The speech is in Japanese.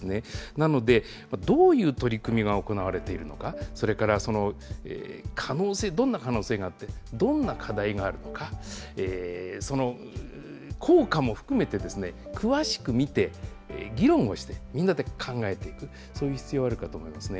なので、どういう取り組みが行われているのか、それから可能性、どんな可能性があって、どんな課題があるのか、その効果も含めて詳しく見て、議論をして、みんなで考えていく、そういう必要あるかと思いますね。